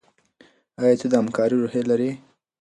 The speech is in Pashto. ایا ته د همکارۍ روحیه لرې؟